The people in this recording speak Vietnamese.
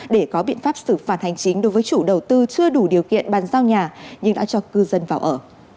để có biện pháp xử phạt hành chính đối với chủ đầu tư chưa đủ điều kiện bàn giao nhà nhưng đã cho cư dân vào ở